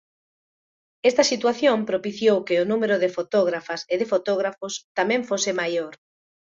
Esta situación propiciou que o número de fotógrafas e de fotógrafos tamén fose maior.